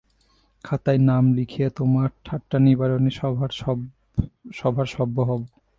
খাতায় নাম লিখিয়ে তোমার ঠাট্টানিবারণী সভার সভ্য হব!